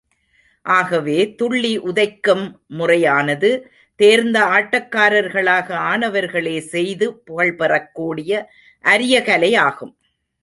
ஆகவே, துள்ளி உதைக்கும் முறையானது தேர்ந்த ஆட்டக்காரர்களாக ஆனவர்களே செய்து புகழ்பெறக்கூடிய அரிய கலையாகும்.